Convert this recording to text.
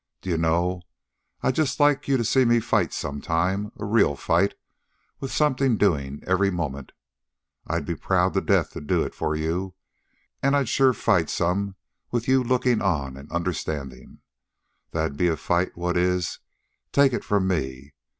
"D'ye know, I'd just like you to see me fight some time a real fight, with something doin' every moment. I'd be proud to death to do it for you. An' I'd sure fight some with you lookin' on an' understandin'. That'd be a fight what is, take it from me.